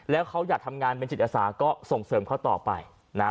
แล้วเขาอยากทำงานเป็นจิตอาสาก็ส่งเสริมเขาต่อไปนะฮะ